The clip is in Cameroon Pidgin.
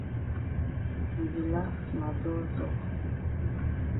You di laf ma dull tok.